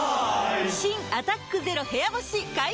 新「アタックＺＥＲＯ部屋干し」解禁‼